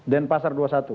dan pasar dua puluh satu